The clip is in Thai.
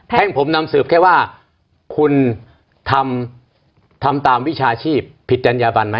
แพ่งผมนำเสือบว่าคุณทำตามวิชาชีพผิดจัญญาบันมั้ย